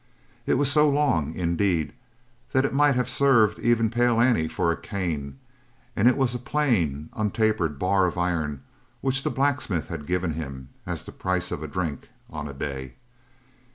It was so long, indeed, that it might have served even Pale Annie for a cane and it was a plain untapered bar of iron which the blacksmith had given him as the price of a drink, on a day.